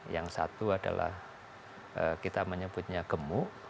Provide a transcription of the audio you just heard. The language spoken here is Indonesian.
yang satu adalah kita menyebutnya gemuk